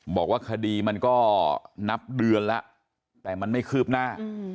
บอกว่าคดีมันก็นับเดือนแล้วแต่มันไม่คืบหน้า